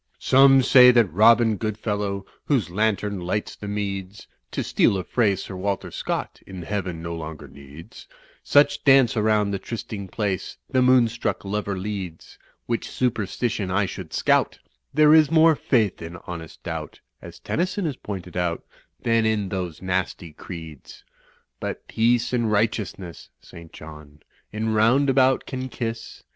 "Some say that Robin Goodfellow, Whose lantern lights the meads, (To steal a phrase Sir Walter Scott In heaven no longer needs) Such dance around the trysting place ^ The moonstruck lover leads; Which superstition I should scout; There is more faith in honest doubt, (As Tennyson has pointed out) Than in those nasty creeds. But peace and righteousness (St. John) In Roundabout can kiss.